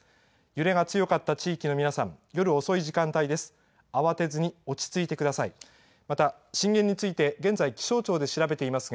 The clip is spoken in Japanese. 揺れが強かった地域の皆さん、夜遅い時間帯です。